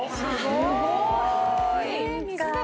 すごい。